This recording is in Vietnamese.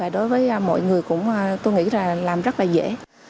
đối với mọi người cũng tôi nghĩ là làm rất là dễ